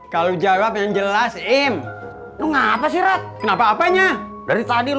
kalau jawab yang jelas im lu ngapa sih rap kenapa apanya dari tadi